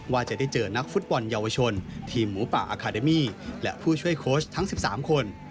ว่าจะได้เจอนักฟุตบอลเยาวชนทีมหมูป่าอาคาเดมี่และผู้ช่วยโค้ชทั้ง๑๓คน